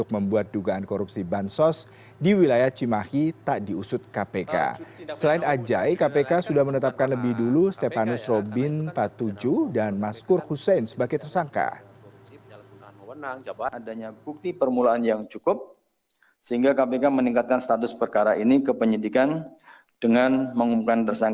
kepala dinas pupr sulawesi selatan edi rahmat